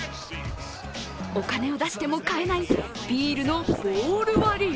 お金を出しても買えないビールのボール割り。